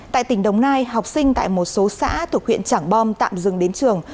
tại tỉnh đồng nai học sinh tại một số xã thuộc huyện trảng bom tạm dừng đến trường